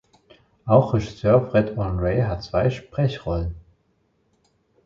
Auch Regisseur Fred Olen Ray hat zwei Sprechrollen.